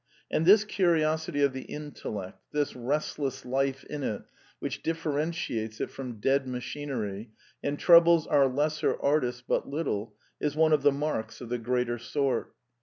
And this curiosity of the intellect, this restless life in it which differentiates it from dead machinery, and troubles our lesser artists but little, is one of the marks of the greater sort.